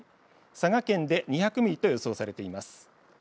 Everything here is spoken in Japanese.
佐賀県で２００ミリと予想されています。